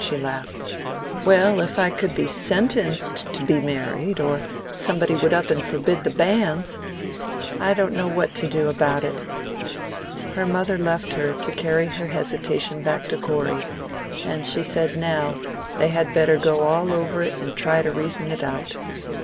She laughed. "Well, if I could be SENTENCED to be married, or somebody would up and forbid the banns! I don't know what to do about it." Her mother left her to carry her hesitation back to Corey, and she said now, they had better go all over it and try to reason it out.